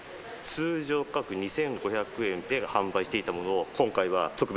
通常価格２５００円で販売していたものを、えっ！